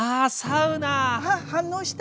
ああ反応した！